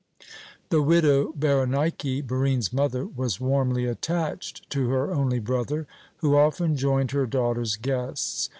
The widow Berenike, Barine's mother, was warmly attached to her only brother, who often joined her daughter's guests.